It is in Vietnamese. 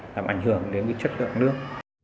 làm ảnh hưởng đến những chất lượng nước